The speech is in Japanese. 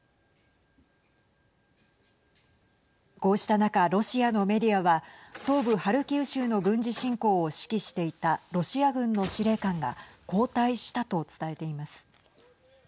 こうした中、ロシアのメディアは東部ハルキウ州の軍事侵攻を指揮していたロシア軍の司令官が交代したと伝えています。